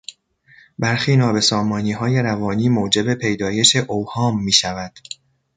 برخی نابسامانیهای روانی موجب پیدایش اوهام میشود.